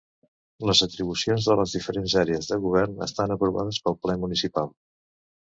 Les atribucions de les diferents Àrees de Govern estan aprovades pel Ple Municipal.